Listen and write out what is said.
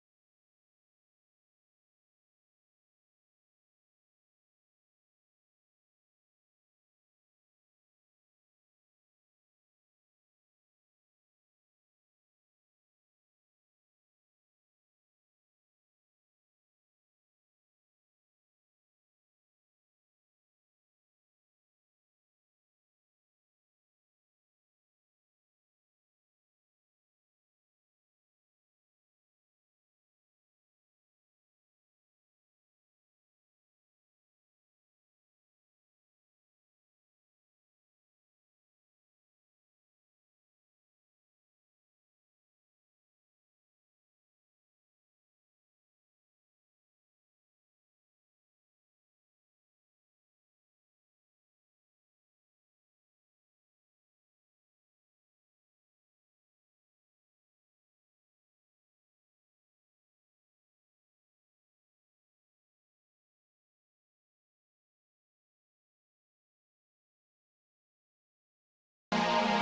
oke baik baik saja ya